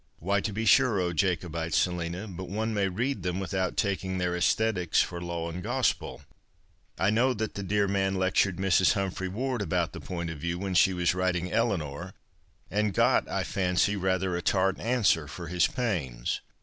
" Why, to be sure, oh Jacobite Selina, but one may read them without taking their asthetics for law and gospel. 1 know that the dear man lectured Mrs. Humphry Ward about the ' |)()int of view,' when she was writing ' Klinor,' and got, I fancy, ratluT a tart answer for his pains.